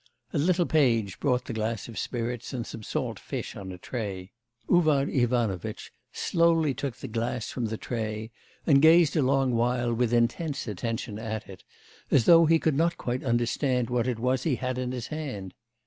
A little page brought the glass of spirits and some salt fish on a tray. Uvar Ivanovitch slowly took the glass from the tray and gazed a long while with intense attention at it, as though he could not quite understand what it was he had in his hand.